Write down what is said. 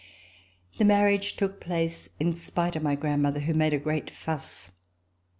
The marriage took place, in spite of my grand mother, who made a great fuss.